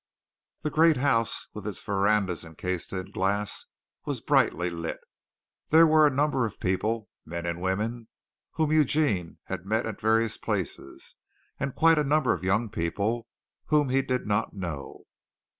The great house with its verandas encased in glass was brightly lit. There were a number of people men and women, whom Eugene had met at various places, and quite a number of young people whom he did not know.